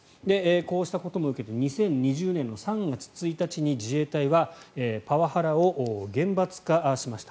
こうしたことも受けて２０２０年３月１日に自衛隊はパワハラを厳罰化しました。